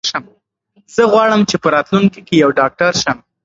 زه غواړم چې په راتلونکي کې یو ډاکټر شم.